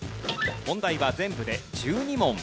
問題は全部で１２問。